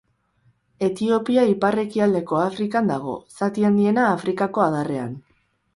Etiopia ipar-ekialdeko Afrikan dago, zati handiena Afrikako Adarrean.